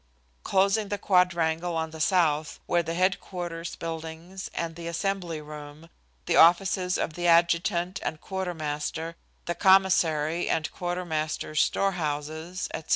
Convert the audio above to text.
Closing the quadrangle on the south were the headquarters buildings and the assembly room, the offices of the adjutant and quartermaster, the commissary and quartermaster's storehouses, etc.